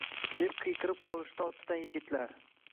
deb qiyqirib qolishdi ortidan yigitlar